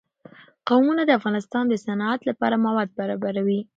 قومونه د افغانستان د صنعت لپاره مواد برابروي.